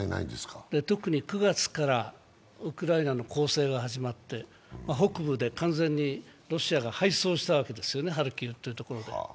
特に９月からウクライナの攻勢が始まって北部で完全にロシアが敗走したわけですよね、ハルキウってところで。